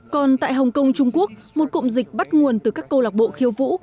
còn tại hồng kông trung quốc một cụm dịch bắt nguồn từ các câu lạc bộ khiêu vũ